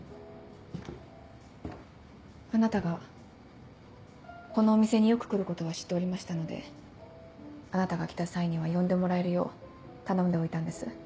あなたがこのお店によく来ることは知っておりましたのであなたが来た際には呼んでもらえるよう頼んでおいたんです。